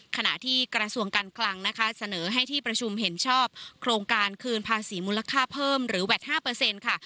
ขณะที่กระทรวงการคลังนะคะเสนอให้ที่ประชุมเห็นชอบโครงการคืนภาษีมูลค่าเพิ่มหรือแวด๕ค่ะ